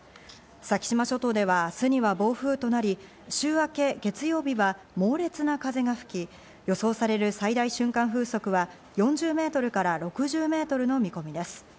先島諸島では明日には暴風となり、週明け月曜日は猛烈な風が吹き、予想される最大瞬間風速は４０メートルから６０メートルの見込みです。